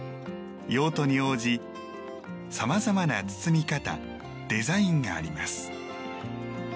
用途に応じ、さまざまな包み方デザインがあります。